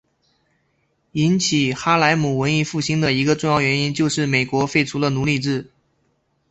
引起哈莱姆文艺复兴的一个重要原因就是美国废除了奴隶制。